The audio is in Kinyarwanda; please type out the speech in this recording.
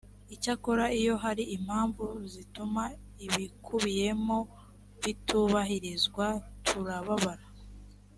icyakora iyo hari impamvu zituma ibikubiyemo bitubahirizwa turababara